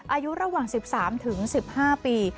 อายุระหว่าง๑๓๑๕ปี